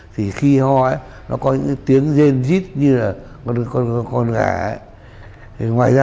thì khi ho ấy nó có những cái tiếng rên rít như là con gà ấy